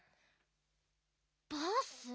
バース？